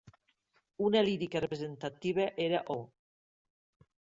Una lírica representativa era Ho!